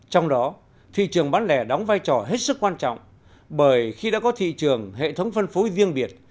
trong đó thị trường bán lẻ đóng vai trò hết sức quan trọng bởi khi đã có thị trường hệ thống phân phối riêng biệt